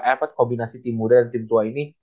apa kombinasi tim muda dan tim tua ini